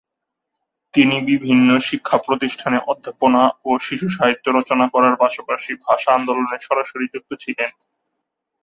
তিনি বিভিন্ন শিক্ষা প্রতিষ্ঠানে অধ্যাপনা ও শিশু সাহিত্য রচনা করার পাশাপাশি ভাষা আন্দোলনে সরাসরি যুক্ত ছিলেন।